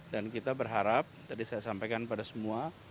dan kita berharap tadi saya sampaikan pada semua